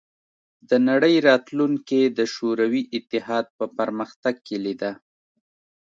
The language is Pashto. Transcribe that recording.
د نړۍ راتلونکې د شوروي اتحاد په پرمختګ کې لیده